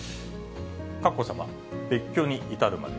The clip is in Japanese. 佳子さま、別居に至るまで。